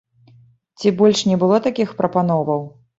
Ці больш не было такіх прапановаў?